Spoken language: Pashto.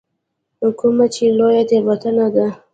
کومه چې لویه تېروتنه ده.